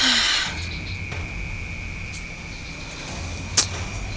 jangan jangan mainnya sampe hollywood